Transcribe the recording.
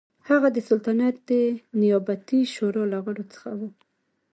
هغه د سلطنت د نیابتي شورا له غړو څخه و.